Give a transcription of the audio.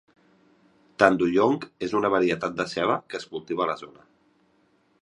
Tanduyong és una varietat de ceba que es cultiva a la zona.